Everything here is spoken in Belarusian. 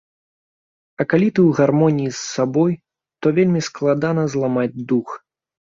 А калі ты ў гармоніі з сабой, то вельмі складана зламаць дух.